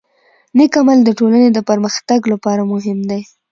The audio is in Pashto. نیک عمل د ټولنې د پرمختګ لپاره مهم دی.